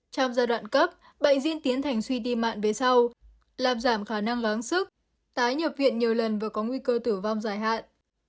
trong giai đoạn cấp bệnh diễn tiến thành suy tim mạng về sau làm giảm khả năng láng sức tái nhập viện nhiều lần và có nguy cơ tử vong dài hạn